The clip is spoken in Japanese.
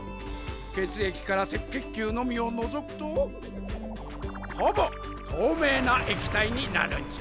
血液から赤血球のみを除くとほぼ透明な液体になるんじゃ。